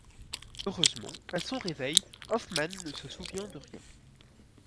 Heureusement, à son réveil, Hoffman ne se souvient de rien.